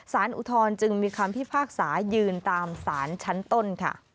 อุทธรณ์จึงมีคำพิพากษายืนตามสารชั้นต้น